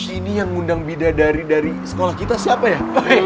ini yang ngundang bidadari dari sekolah kita siapa ya